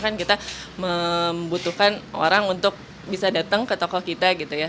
kan kita membutuhkan orang untuk bisa datang ke toko kita gitu ya